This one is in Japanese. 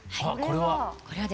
これは？